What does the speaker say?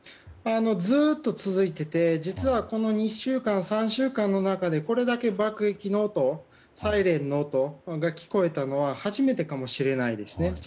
ずっと続いてて実は、この２週間、３週間の中でこれだけ爆撃の音サイレンの音が聞こえたのは初めてかもしれないですね。